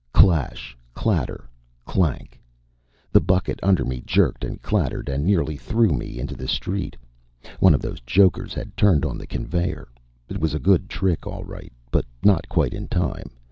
Clash clatter. Clank! The bucket under me jerked and clattered and nearly threw me into the street. One of those jokers had turned on the conveyor! It was a good trick, all right, but not quite in time.